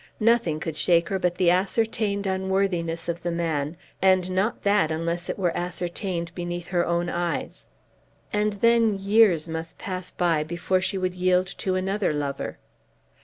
Nothing could shake her but the ascertained unworthiness of the man, and not that unless it were ascertained beneath her own eyes. And then years must pass by before she would yield to another lover.